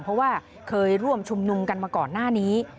เพราะว่าเคยร่วมชุมนุมกันมาก่อนหน้านี้